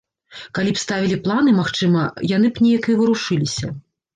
Калі б ставілі планы, магчыма, яны б неяк і варушыліся.